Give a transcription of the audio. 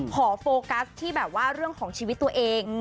โฟกัสที่แบบว่าเรื่องของชีวิตตัวเอง